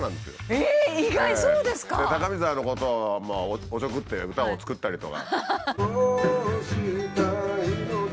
高見沢のことをおちょくって歌を作ったりとか。